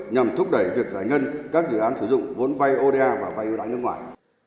nhằm thúc đẩy việc giải ngân các dự án sử dụng vốn vay oda và vay ưu đãi nước ngoài